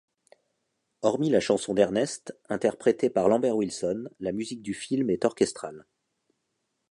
Hormis la chanson d'Ernest, interprétée par Lambert Wilson, la musique du film est orchestrale.